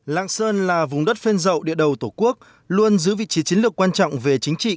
lạng sơn là vùng đất phên rậu địa đầu tổ quốc luôn giữ vị trí chiến lược quan trọng về chính trị